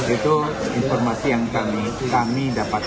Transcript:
itu informasi yang kami dapatkan